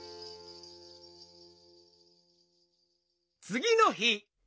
つぎの日。